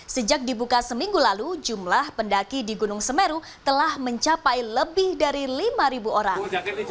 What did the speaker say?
sejak dibuka seminggu lalu jumlah pendaki di gunung semeru telah mencapai lebih dari lima orang